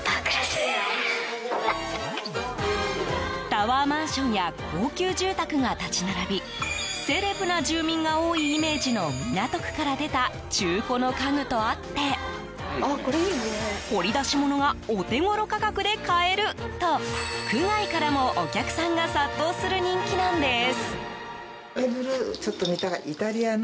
タワーマンションや高級住宅が立ち並びセレブな住民が多いイメージの港区から出た中古の家具とあって掘り出し物がお手頃価格で買えると区外からもお客さんが殺到する人気なんです。